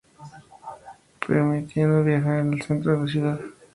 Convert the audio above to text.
Permitiendo viajar al centro de la ciudad.